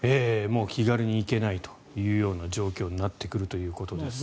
もう気軽に行けないという状況になってくるということです。